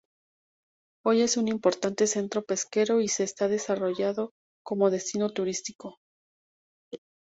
Hoy es un importante centro pesquero y se está desarrollando como destino turístico.